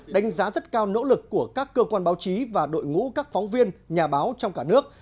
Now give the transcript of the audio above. đánh giá rất cao nỗ lực của các cơ quan báo chí và đội ngũ các phóng viên nhà báo trong cả nước